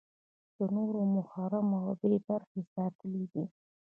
ده نور محروم او بې برخې ساتلي دي.